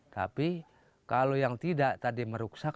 tapi kalau yang tidak tadi merusak